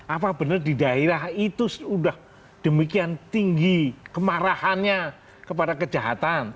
apa benar di daerah itu sudah demikian tinggi kemarahannya kepada kejahatan